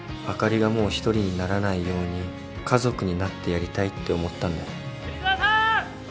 あかりがもう独りにならないように家族になってやりたいって思ったんだよ。